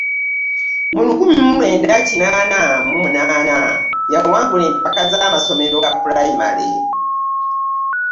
Mu lukumi mu lwenda kyenda mu munaana yawangula empaka z’amasomero ga Primary.